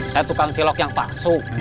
saya tukang cilok yang palsu